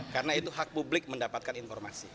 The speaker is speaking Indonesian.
karena itu hak publik mendapatkan informasi